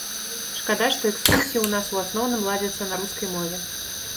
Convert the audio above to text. Шкада, што экскурсіі ў нас у асноўным ладзяцца на рускай мове.